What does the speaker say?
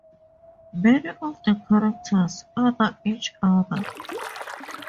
Many of the characters "other" each other.